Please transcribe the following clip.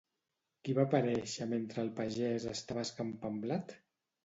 Qui va aparèixer mentre un pagès estava escampant blat?